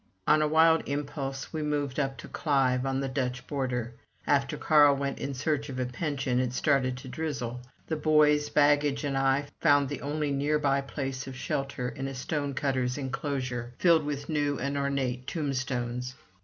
On a wild impulse we moved up to Clive, on the Dutch border. After Carl went in search of a pension, it started to drizzle. The boys, baggage, and I found the only nearby place of shelter in a stone cutter's inclosure, filled with new and ornate tombstones.